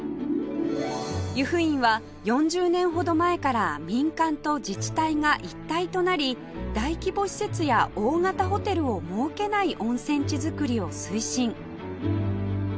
由布院は４０年ほど前から民間と自治体が一体となり大規模施設や大型ホテルを設けない温泉地づくりを推進